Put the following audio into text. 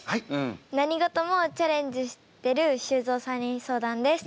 何事もチャレンジしてる修造さんに相談です。